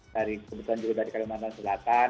dari kebetulan juga dari kalimantan selatan